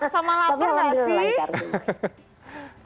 sama lapar gak sih